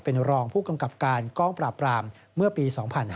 เป็นรองผู้กังกับการกล้องปลาปลามเมื่อปี๒๕๓๗